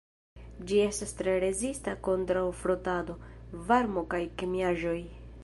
Ĝi estas tre rezista kontraŭ frotado, varmo kaj kemiaĵoj.